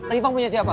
rifa punya siapa